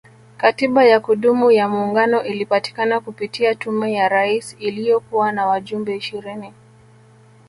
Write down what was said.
Katiba ya kudumu ya muungano ilipatikana kupitia Tume ya Rais iliyokuwa na wajumbe ishirini